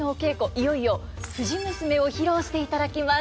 いよいよ「藤娘」を披露していただきます。